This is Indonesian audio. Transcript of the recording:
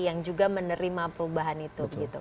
yang juga menerima perubahan itu